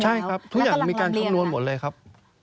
ใช่ครับทุกอย่างมีการชุมนุมหมดเลยครับ